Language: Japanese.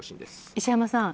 石浜さん